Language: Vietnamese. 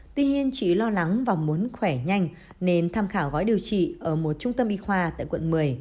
tuy nhiên chị lo lắng và muốn khỏe nhanh nên tham khảo gói điều trị ở một trung tâm y khoa tại quận một mươi